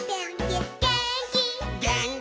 「げーんき」